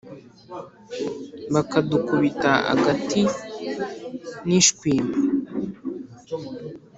bakadukubita agati n’ishwima